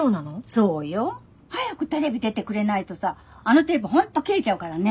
そうよ。早くテレビ出てくれないとさあのテープ本当切れちゃうからね。